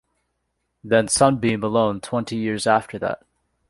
Then Sunbeam alone twenty years after that.